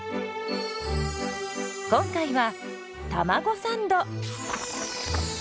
今回はたまごサンド。